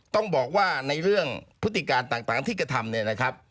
ต้องบอกว่าในเรื่องพฤติการต่างที่กระทำเนี่ยนะครับ